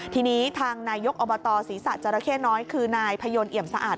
ทีนี้ทางนายกอบตศีรษะจราเข้น้อยคือนายพยนต์เอี่ยมสะอาด